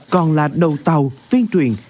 còn là đầu tàu tuyên truyền